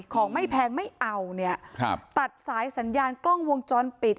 ของไม่แพงไม่เอาเนี่ยครับตัดสายสัญญาณกล้องวงจรปิด